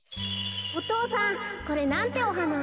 お父さんこれなんておはな？